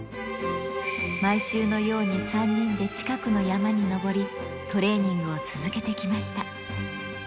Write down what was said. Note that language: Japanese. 毎週のように３人で近くの山に登り、トレーニングを続けてきました。